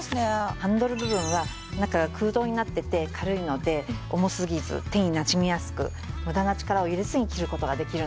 ハンドル部分は中が空洞になっていて軽いので重すぎず手になじみやすく無駄な力を入れずに切る事ができるんです。